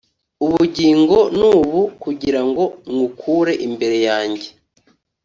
ubugingo n ubu kugira ngo nywukure imbere yanjye